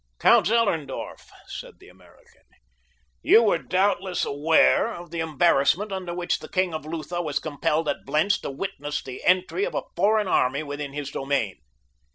"Count Zellerndorf," said the American, "you were doubtless aware of the embarrassment under which the king of Lutha was compelled at Blentz to witness the entry of a foreign army within his domain.